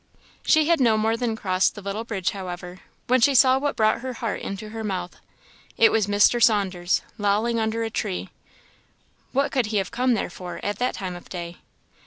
She had no more than crossed the little bridge, however, when she saw what brought her heart into her mouth. It was Mr. Saunders, lolling under a tree. What could he have come there for, at that time of day?